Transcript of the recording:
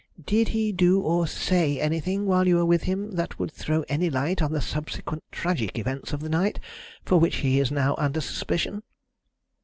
"Did he do or say anything while you were with him that would throw any light on the subsequent tragic events of the night, for which he is now under suspicion?"